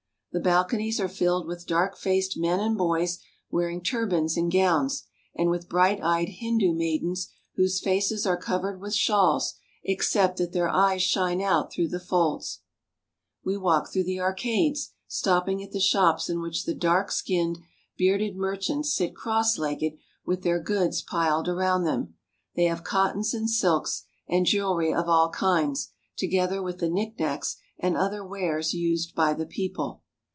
The balconies are filled with dark faced men and boys wearing turbans and gowns, and with bright eyed Hindu maidens whose faces are covered with shawls except that their eyes shine out through the folds. 288 THE NATIVE STATES OF INDIA We walk through the arcades, stopping at the shops in which the dark skinned, bearded merchants sit cross legged with their goods piled around them. They have cottons and silks, and jewelry of all kinds, together with the knickknacks and other wares used by the people.